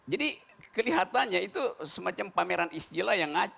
jadi kelihatannya itu semacam pameran istilah yang ngacau